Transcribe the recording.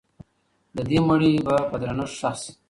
د دې مړي به په درنښت ښخ سي.